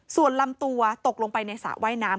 ส่วนลำตัวในซาว่ายน้ำ